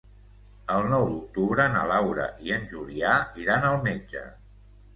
El nou d'octubre na Laura i en Julià iran al metge.